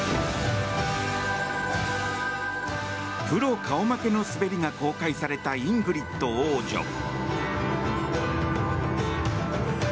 プロ顔負けの滑りが公開されたイングリッド王女。